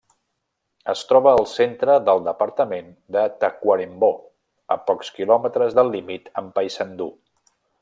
Es troba al centre del departament de Tacuarembó, a pocs quilòmetres del límit amb Paysandú.